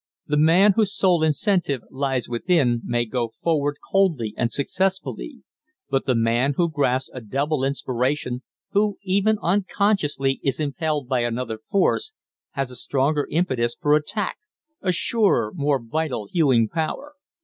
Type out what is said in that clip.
The man whose sole incentive lies within may go forward coldly and successfully; but the man who grasps a double inspiration, who, even unconsciously, is impelled by another force, has a stronger impetus for attack, a surer, more vital hewing power.